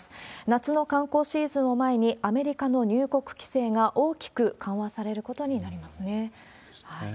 夏の観光シーズンを前に、アメリカの入国規制が大きく緩和されることになりますね。